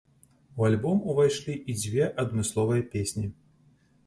У альбом ўвайшлі і дзве адмысловыя песні.